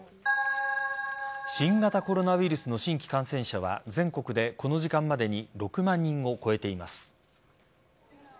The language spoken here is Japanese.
新型コロナウイルスの新規感染者は全国でこの時間までに６万人を超えています。